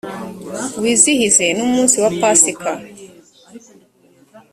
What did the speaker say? wizihize n’umunsi wa pasika,